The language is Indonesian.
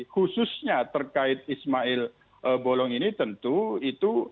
khususnya terkait ismail bolong ini tentu itu